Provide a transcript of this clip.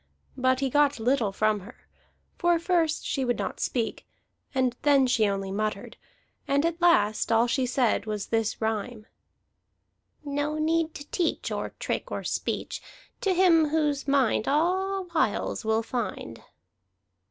But he got little from her; for first she would not speak, and then she only muttered, and at last all she said was this rhyme: "No need to teach Or trick or speech To him whose mind All wiles will find."